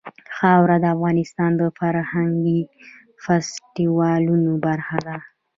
خاوره د افغانستان د فرهنګي فستیوالونو برخه ده.